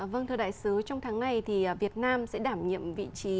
vâng thưa đại sứ trong tháng này thì việt nam sẽ đảm nhiệm vị trí